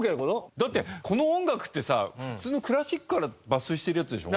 だってこの音楽ってさ普通のクラシックから抜粋してるやつでしょ？